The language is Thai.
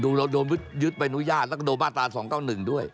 เราโดนยึดใบอนุญาตแล้วก็โดนมาตรา๒๙๑ด้วย